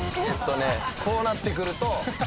こうなってくると。